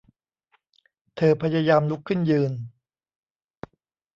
เธอพยายามลุกขึ้นยืน